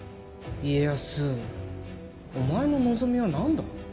家康お前の望みは何だ？